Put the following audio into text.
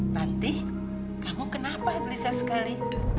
nanti kamu kenapa gelisah sekali